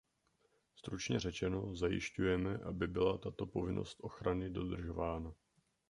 Stručně řečeno, zajišťujeme, aby byla tato povinnost ochrany dodržována.